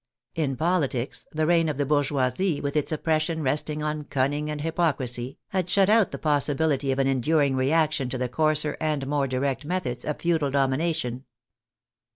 In politics the reign of the bourgeoisie with its oppression resting on cunning and hypocrisy had shut out the possibility of an enduring reaction to the coarser and more direct methods of feudal domina tion.